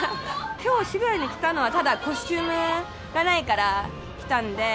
きょう、渋谷に来たのは、ただコスチュームがないから来たんで。